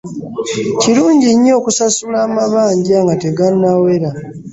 Kirungi nnyo okusasula amabanja nga tegannawera.